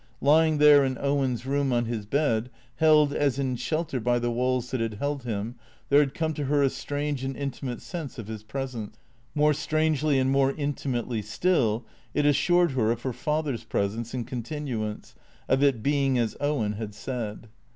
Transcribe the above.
Lying there in Owen's room, on his bed, held as in shelter by the walls that had held him, there had come to her a strange and intimate sense of his presence. More strangely and more intimately still, it assured her of her father's presence and con tinuance, of it being as Owen had said.